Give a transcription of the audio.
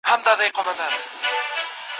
موږ اخترونه د باروتو په اور وتورول